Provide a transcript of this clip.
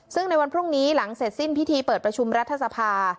ซึ่งในวันพรุ่งนี้หลังเสร็จสิ้นพิธีเปิดประชุมรัฐสภา